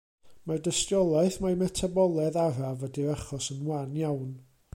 Mae'r dystiolaeth mai metaboledd araf ydy'r achos yn wan iawn.